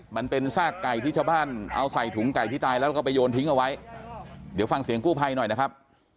มันเป็นซากไก่ที่ชาวบ้านเอาใส่ถุงไก่ที่ตายแล้วก็ไปโยนทิ้งเอาไว้เดี๋ยวฟังเสียงกู้ภัยหน่อยนะครับ